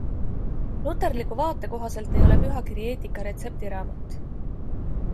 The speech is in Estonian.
Luterliku vaate kohaselt ei ole pühakiri eetika retseptiraamat.